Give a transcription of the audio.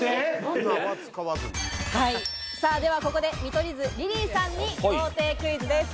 では、ここで見取り図・リリーさんに豪邸クイズです。